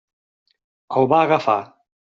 El va agafar.